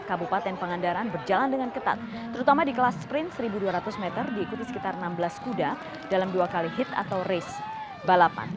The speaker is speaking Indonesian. kabupaten pangandaran berjalan dengan ketat terutama di kelas sprint satu dua ratus meter diikuti sekitar enam belas kuda dalam dua kali hit atau race balapan